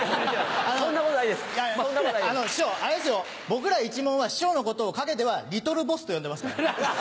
僕ら一門は師匠のことを陰ではリトルボスと呼んでますから。